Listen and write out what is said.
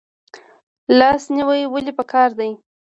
لاس نیوی ولې پکار دی؟